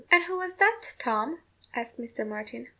'" "And who was that, Tom?" asked Mr. Martin.